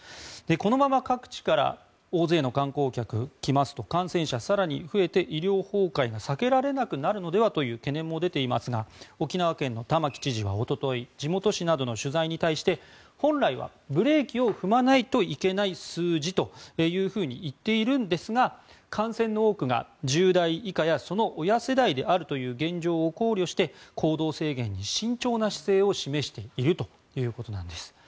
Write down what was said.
このまま各地から大勢の観光客が来ますと感染者、更に増えて医療崩壊が避けられなくなるのではという懸念も出ていますが沖縄県の玉城知事はおととい地元紙などの取材に対して本来はブレーキを踏まないといけない数字と言っているんですが感染の多くが１０代以下やその親世代であるという現状を考慮して行動制限に慎重な姿勢を示しているということなんです。